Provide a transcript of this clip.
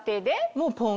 もうポン？